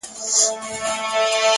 دومره خو هم گراني بې باكه نه يې’